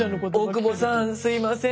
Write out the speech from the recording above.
大久保さんすいません